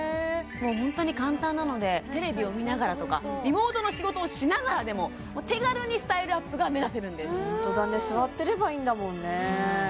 ホントに簡単なのでテレビを見ながらとかリモートの仕事をしながらでも手軽にスタイルアップが目指せるんですホントだね座ってればいいんだもんね